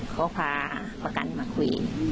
เขาพาประกันมาคุย